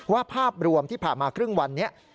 ภาพรวมที่ผ่านมาครึ่งวันนี้